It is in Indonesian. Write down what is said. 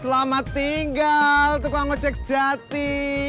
selamat tinggal tukang ojek sejati